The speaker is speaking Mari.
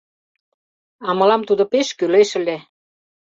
— А мылам тудо пеш кӱлеш ыле!